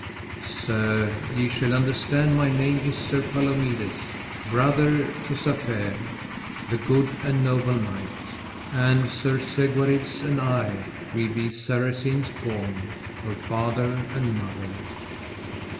Sir, ye shall understand my name is Sir Palomides, brother to Safere, the good and noble knight. And Sir Segwarides and I, we be Saracens born, of father and mother.